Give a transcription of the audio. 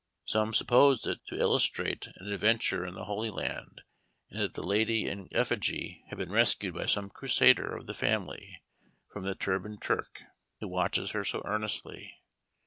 Some suppose it to illustrate an adventure in the Holy Land, and that the lady in effigy had been rescued by some Crusader of the family from the turbaned Turk who watches her so earnestly.